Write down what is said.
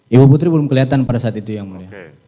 ibu putri belum kelihatan pada saat itu yang mulia